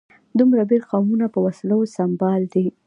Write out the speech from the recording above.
دومره بېل قومونه په وسلو سمبال دي.